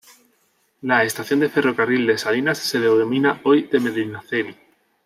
La estación de ferrocarril de Salinas se denomina hoy de Medinaceli.